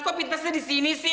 kok fitnessnya di sini sih